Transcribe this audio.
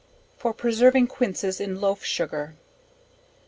For preserving Quinces in Loaf Sugar.